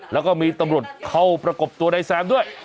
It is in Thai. แล้วก็มีตำรวจเข้าประกบตัวนายแซมด้วย